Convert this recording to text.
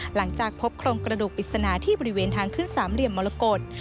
หลังจากพบโครงกระดูกปริศนาที่บริเวณทางขึ้นสามเหลี่ยมมรกฏ